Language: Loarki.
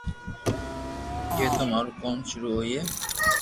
جي تو مارو ڪوم ݾروع ھوئي